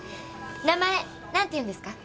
名前なんていうんですか？